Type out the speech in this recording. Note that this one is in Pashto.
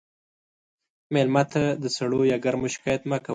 مېلمه ته د سړو یا ګرمو شکایت مه کوه.